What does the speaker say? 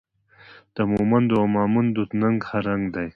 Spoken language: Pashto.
د مومندو او ماموندو ننګ هر رنګ دی